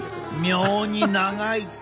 妙に長い。